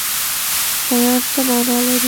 شیان څه معنی لري